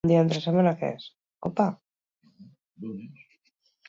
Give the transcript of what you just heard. Iruzurgileek produktu garestiak bilatzen zituzten, teknologikoak batez ere.